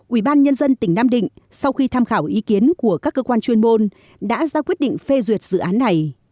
ủy ban nhân dân tỉnh nam định sau khi tham khảo ý kiến của các cơ quan chuyên môn đã ra quyết định phê duyệt dự án này